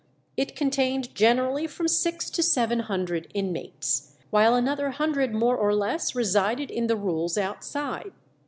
It contained generally from six to seven hundred inmates, while another hundred more or less resided in the rules outside.